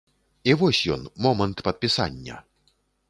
І вось ён момант падпісання.